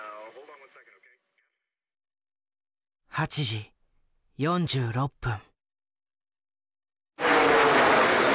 ８時４６分。